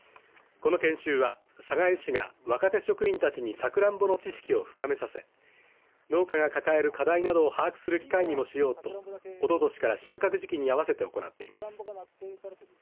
この研修は寒河江市が若手職員たちにさくらんぼの知識を深めさせ農家が抱える課題などを把握する機会にもしようとおととしから収穫時期に合わせて行っています。